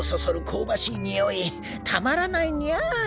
こうばしいにおいたまらないニャ。